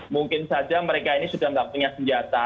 mungkin saja mereka ini sudah tidak punya senjata